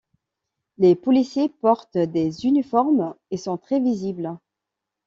Les policiers portent des uniformes et sont très visibles.